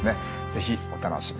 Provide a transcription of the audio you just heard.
是非お楽しみに。